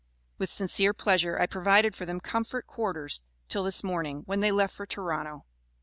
With sincere pleasure I provided for them comfort quarters till this morning, when they left for Toronto.